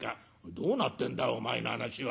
「どうなってんだお前の話は。